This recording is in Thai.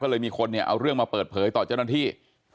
ก็เลยมีคนเนี่ยเอาเรื่องมาเปิดเผยต่อเจ้าหน้าที่